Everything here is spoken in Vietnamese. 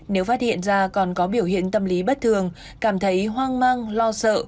nếu phát hiện ra còn có biểu hiện tâm lý bất thường cảm thấy hoang mang lo sợ